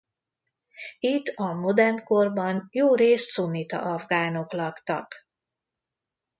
Itt a modern korban jórészt szunnita afgánok laktak.